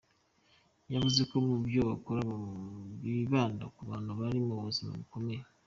Yavuze ko mu byo bakora bibanda ku bantu bari mu buzima bukomeye.